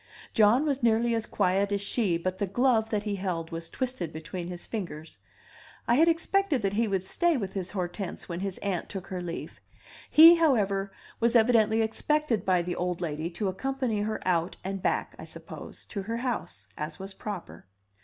John was nearly as quiet as she, but the glove that he held was twisted between his fingers. I expected that he would stay with his Hortense when his aunt took her leave; he, however, was evidently expected by the old lady to accompany her out and back, I suppose, to her house, as was proper.